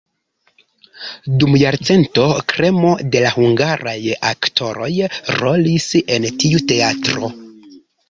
Dum jarcento kremo de la hungaraj aktoroj rolis en tiu teatro.